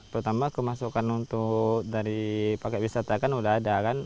pertama kemasukan untuk dari paket wisata kan sudah ada kan